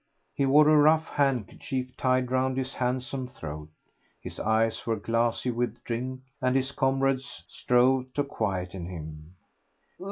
He wore a rough handkerchief tied round his handsome throat. His eyes were glassy with drink, and his comrades strove to quieten him.